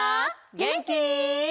げんき？